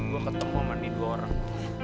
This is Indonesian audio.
gue ketemu sama nih dua orang